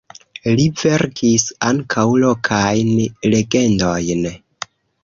Li verkis ankaŭ lokajn legendojn.